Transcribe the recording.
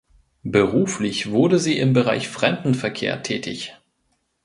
Beruflich wurde sie im Bereich Fremdenverkehr tätig.